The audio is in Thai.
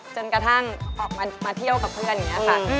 จนกระทั่งออกมาเที่ยวกับเค้าแบบนี้ค่ะ